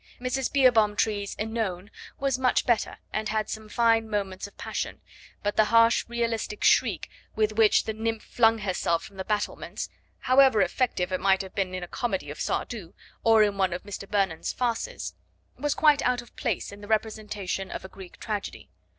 Mrs. Beerbohm Tree's OEnone was much better, and had some fine moments of passion; but the harsh realistic shriek with which the nymph flung herself from the battlements, however effective it might have been in a comedy of Sardou, or in one of Mr. Burnand's farces, was quite out of place in the representation of a Greek tragedy.